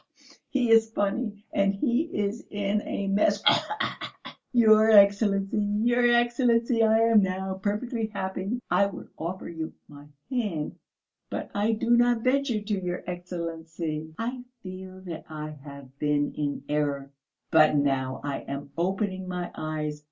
Khee khee khee! He is funny and he is in a mess khee khee khee!" "Your Excellency, your Excellency, I am now perfectly happy. I would offer you my hand, but I do not venture to, your Excellency. I feel that I have been in error, but now I am opening my eyes.